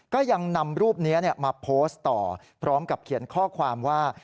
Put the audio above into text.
ก็ยังนำรูปนี้มาโพสต์ต่อพร้อมกับเขียนข้อความว่า